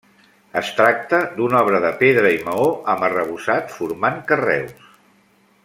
Es tracta d'una obra de pedra i maó, amb arrebossat formant carreus.